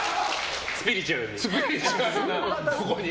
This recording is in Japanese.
スピリチュアルに。